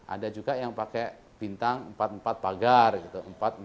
ada juga yang pakai bintang empat puluh empat pagar gitu